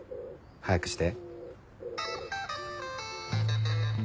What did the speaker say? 早くして。